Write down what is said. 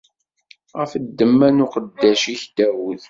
Ɣef ddemma n uqeddac-ik Dawed.